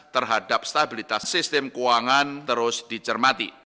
terhadap stabilitas sistem keuangan terus dicermati